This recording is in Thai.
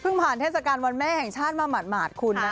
พึ่งผ่านทศกัณฐ์วันแม่แห่งชาติมาหมาดมาดคุณนะ